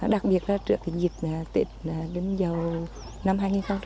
đặc biệt là trước cái dịch tiết đến dầu năm hai nghìn một mươi bảy